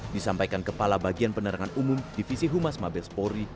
disampaikan kepala bagian penerangan umum divisi humas mabes polri